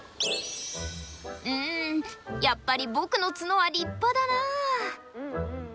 うんやっぱり僕のツノは立派だなぁ。